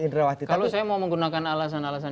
indrawat kalau saya mau menggunakan alasan alasan